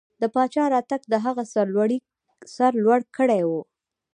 د پاچا راتګ د هغه سر لوړ کړی و.